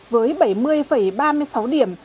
với bảy mươi ba mươi sáu điểm